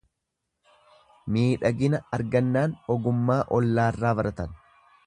Miidhagina argannaan ogummaa ollaarraa baratan.